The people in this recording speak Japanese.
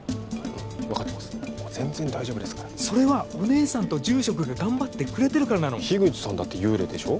うん分かってますでも全然大丈夫ですからそれはお姉さんと住職が頑張ってくれてるからなの樋口さんだって幽霊でしょ